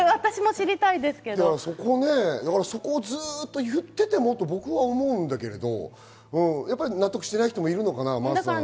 ずっと言っていてもと僕は思うんだけれど、納得してない人もいるのかな？